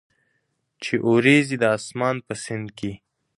چې اوریځي د اسمان په سیند کې،